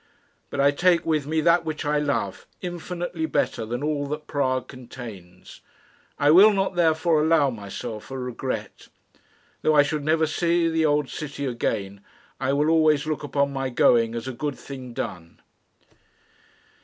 "But I take with me that which I love infinitely better than all that Prague contains. I will not, therefore, allow myself a regret. Though I should never see the old city again, I will always look upon my going as a good thing done."